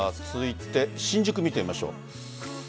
続いて新宿、見てみましょう。